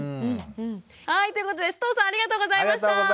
はいということで須藤さんありがとうございました。